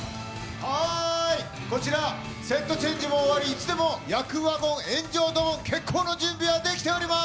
こちら、セットチェンジも終わり、いつでも厄ワゴン炎上ドボン、決行の準備が出来ております。